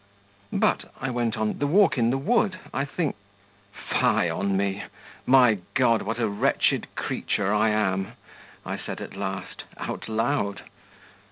'But,' I went on, 'the walk in the wood, I think ... Fie on me! my God, what a wretched creature I am!' I said at last, out loud.